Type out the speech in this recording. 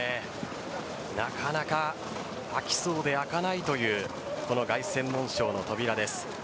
なかなか開きそうで開かないというこの凱旋門賞の扉です。